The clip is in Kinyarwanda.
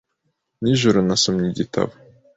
Nijoro nasomye igitabo.